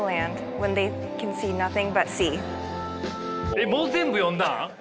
えっもう全部読んだん？